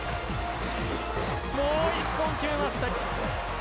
もう１本決めました。